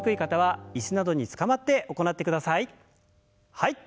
はい。